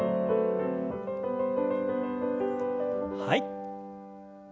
はい。